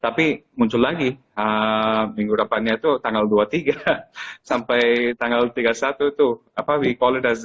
tapi muncul lagi minggu depannya tuh tanggal dua puluh tiga sampai tanggal tiga puluh satu itu apa we call it as